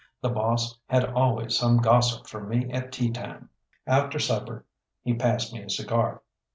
The boss had always some gossip for me at tea time. After supper he passed me a cigar.